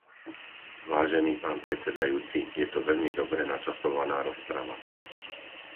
Vážený pán predsedajúci, je to veľmi dobre načasovaná rozprava.